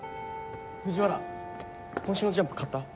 藤原今週の『ジャンプ』買った？